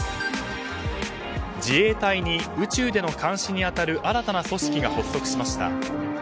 自衛隊に宇宙での監視に当たる新たな組織が発足しました。